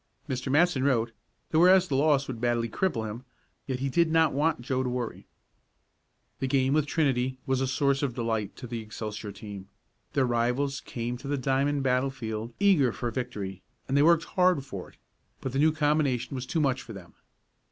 Mr. Matson wrote that whereas the loss would badly cripple him, yet he did not want Joe to worry. The game with Trinity was a source of delight to the Excelsior team. Their rivals came to the diamond battlefield eager for a victory, and they worked hard for it, but the new combination was too much for them.